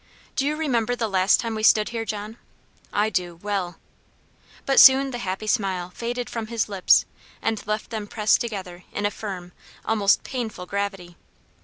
"Do you remember the last time we stood here, John? I do, well!" But soon the happy smile faded from his lips, and left them pressed together in a firm, almost painful gravity.